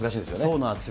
そうなんです。